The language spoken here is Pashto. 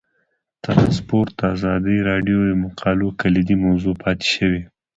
ترانسپورټ د ازادي راډیو د مقالو کلیدي موضوع پاتې شوی.